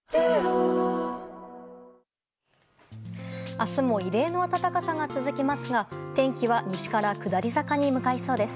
明日も異例の暖かさが続きますが天気は西から下り坂に向かいそうです。